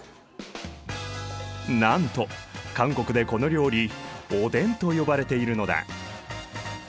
なんと韓国でこの料理オデンと呼ばれているのだ。